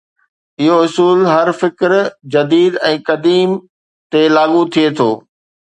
اهو اصول هر فڪر، جديد ۽ قديم تي لاڳو ٿئي ٿو.